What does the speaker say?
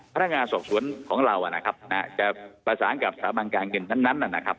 พนักงานส่วนของเรานะครับจะประสานกับสามารถการเงินนั้นนะครับ